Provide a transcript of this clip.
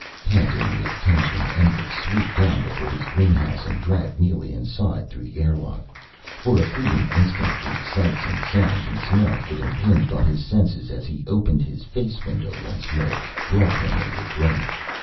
Panting with tension, Endlich swooped down before his greenhouse, and dragged Neely inside through the airlock. For a fleeting instant the sights and sounds and smells that impinged on his senses, as he opened his face window once more, brought him a regret.